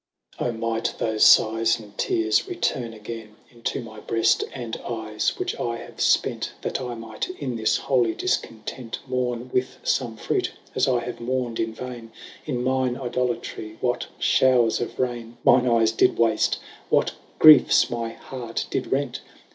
O Might thofe flghes and teares returne aga'me Into my breaft and eyes, which I have fpent, That I might in this holy difcontent Mourne with fome fruit, as I have mourn'd in vaine; In mine Idolatry what mowres of raine 5 Mine eyes did wafte? what griefs my heart did rent?